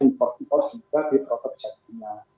impor impor juga di produk sesinya